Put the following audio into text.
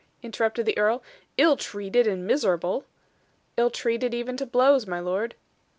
interrupted the earl. "Ill treated and miserable?" "Ill treated even to blows, my lord."